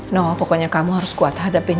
no pokoknya kamu harus kuat hadapin